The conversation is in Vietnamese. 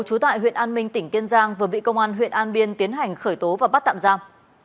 trú tại huyện an minh tỉnh kiên giang vừa bị công an huyện an biên tiến hành khởi tố và bắt tạm giam